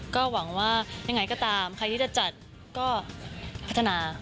ก็หวังว่ายังไงก็ตามใครที่จะจัดก็พัฒนา